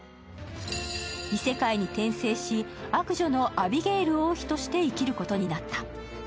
異世界に転生し、悪女のアビゲール王妃として生きることになった。